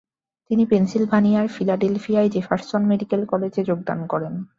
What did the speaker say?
তিনি পেনসিলভানিয়ার ফিলাডেলফিয়ায় Jefferson medical কলেজে যোগদান করেন।